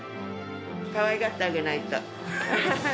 かわいがってあげないと。